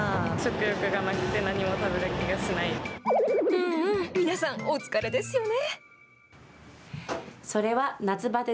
うんうん、皆さん、お疲れですよね。